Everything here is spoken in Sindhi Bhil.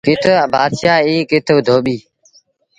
ڪٿ بآتشآه ائيٚݩ ڪٿ ڌوٻيٚ۔